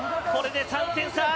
これで３点差。